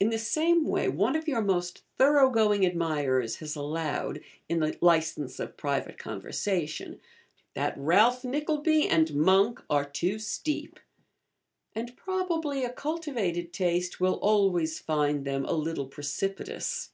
In the same way, one of your most thorough going admirers has allowed (in the licence of private conversation) that 'Ralph Nickleby and Monk are too steep;' and probably a cultivated taste will always find them a little precipitous.